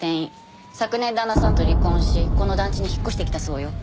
昨年旦那さんと離婚しこの団地に引っ越してきたそうよ。